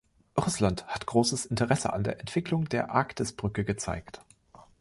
Russland hat großes Interesse an der Entwicklung der Arktisbrücke gezeigt.